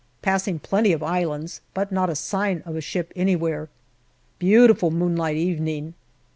Passing plenty of islands, but not a sign of a ship anywhere. Beautiful moonlight evening.